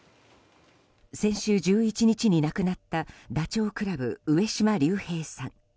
先週１１日に亡くなったダチョウ倶楽部、上島竜兵さん。